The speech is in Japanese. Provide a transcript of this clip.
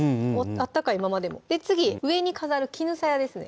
温かいままでも次上に飾るきぬさやですね